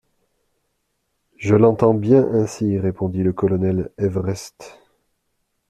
Je l’entends bien ainsi, » répondit le colonel Everest.